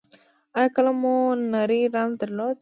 ایا کله مو نری رنځ درلود؟